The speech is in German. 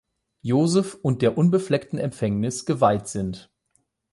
Josef und der „Unbefleckten Empfängnis“ geweiht sind.